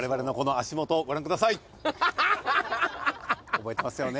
覚えてますよね。